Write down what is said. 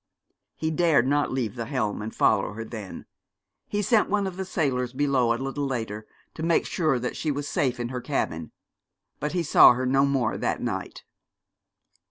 He dared not leave the helm and follow her then. He sent one of the sailors below a little later, to make sure that she was safe in her cabin; but he saw her no more that night.